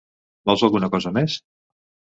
Vols alguna cosa més?